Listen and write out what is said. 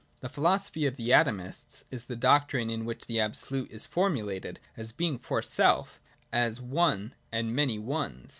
The philosophy of the Atomists is the doctrine in which the Absolute is formulated as Being for self, as One, and many ones.